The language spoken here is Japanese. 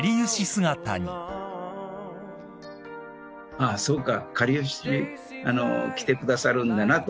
あっそうか。